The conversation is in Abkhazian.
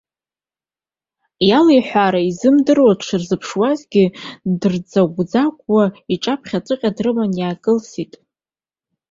Иалиҳәаара изымдыруа дшырзыԥшуазгьы, дырӡагә-ӡагәуа иҿаԥхьаҵәҟьа дрыма иаакылсит.